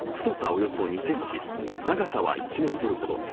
およそ２ｃｍ、長さは１ｍほど。